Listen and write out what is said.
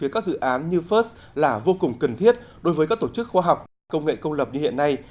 hỗ trợ từ phía các dự án như first là vô cùng cần thiết đối với các tổ chức khoa học công nghệ công lập như hiện nay